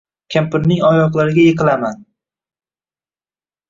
kampirning oyoqlariga yiqilaman.